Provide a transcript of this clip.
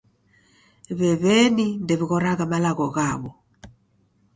W'ew'eni ndew'ighoragha malagho ghaw'o.